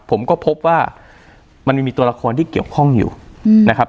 ผมก็พบว่ามันมีตัวละครที่เกี่ยวข้องอยู่นะครับ